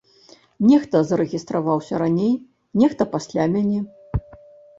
Нехта зарэгістраваўся раней, нехта пасля мяне.